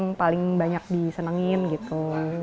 yang paling banyak disenengin gitu